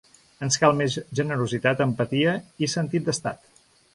Ens cal més generositat, empatia i sentit d’estat.